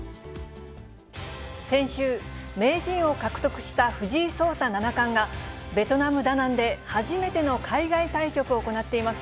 先週、名人を獲得した藤井聡太七冠が、ベトナム・ダナンで初めての海外対局を行っています。